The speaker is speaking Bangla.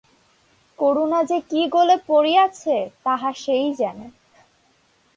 করুণা যে কী গোলে পড়িয়াছে তাহা সেই জানে।